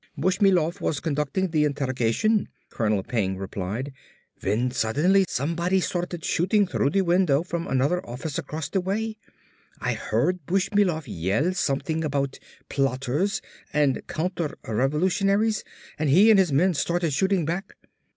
"Bushmilov was conducting the interrogation," Colonel Peng replied, "when suddenly somebody started shooting through the window from another office across the way. I heard Bushmilov yell something about plotters and counterrevolutionaries and he and his men started shooting back.